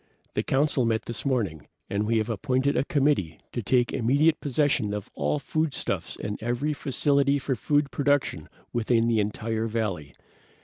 The Council met this morning, and we have appointed a committee to take immediate possession of all foodstuffs and every facility for food production within the entire valley.